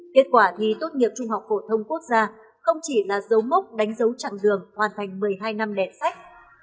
kết quả thi tốt nghiệp trung học phổ thông quốc gia không chỉ là dấu mốc đánh dấu chặng đường hoàn thành một mươi hai năm đẹp sách